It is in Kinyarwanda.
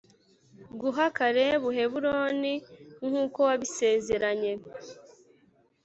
guha Kalebu Heburoni nk uko wabisezeranye